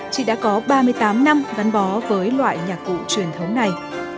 chị đã có ba mươi tám năm gắn bó với loại nhạc cụ truyền thống này